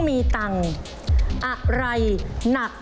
เปลี่ยนตัวเองกันสิเปลี่ยนตัวเองกันสิ